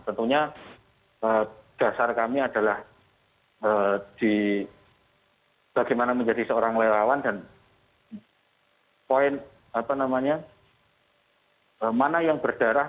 tentunya dasar kami adalah bagaimana menjadi seorang lelawan dan poin mana yang berdarah